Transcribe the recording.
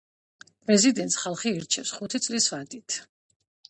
პრეზიდენტს ხალხი ირჩევს ხუთი წლის ვადით.